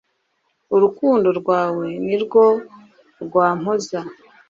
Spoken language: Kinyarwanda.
Urukundo rwawe ni rwo rwampoza